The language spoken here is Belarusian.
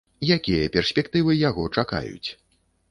Якія перспектывы яго чакаюць?